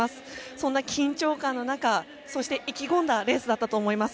そんな緊張感の中そして意気込んだレースだったと思います。